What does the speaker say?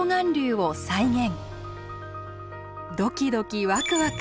ドキドキワクワク。